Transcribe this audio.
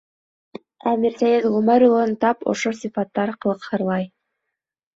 Ә Мирсәйет Ғүмәр улын тап ошо сифаттар ҡылыҡһырлай.